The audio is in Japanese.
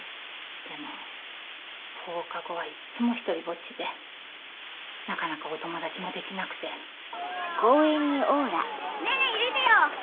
でも放課後はいっつも独りぼっちでなかなかお友達もできなくて。ねぇ入れてよ！